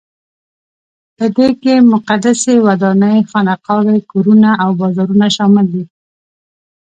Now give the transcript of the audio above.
په دې کې مقدسې ودانۍ، خانقاوې، کورونه او بازارونه شامل دي.